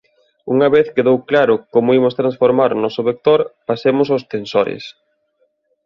Unha vez quedou claro como imos transformar o noso vector pasemos aos tensores.